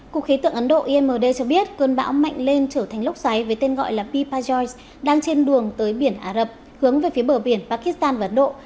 cục khí tượng ấn độ imd cho biết cơn bão mạnh lên trở thành lốc xoáy với tên gọi là ppajoy đang trên đường tới biển ả rập hướng về phía bờ biển pakistan và ấn độ